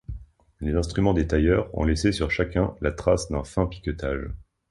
Les instruments des tailleurs ont laissé sur chacun la trace d'un fin piquetage.